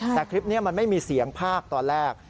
แต่คลิปนี้มันไม่มีเสียงภาคตอนแรก